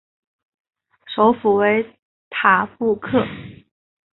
首府为塔布克。